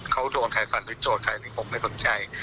เขาโดนใครฝันหรือโทษใครขึ้นกับผมไม่สนใจ